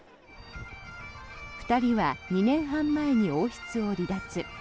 ２人は２年半前に王室を離脱。